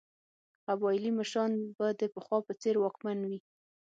قبایلي مشران به د پخوا په څېر واکمن وي.